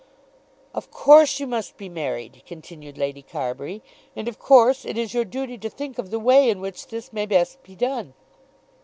"Of course you must be married," continued Lady Carbury, "and of course it is your duty to think of the way in which this may be best done.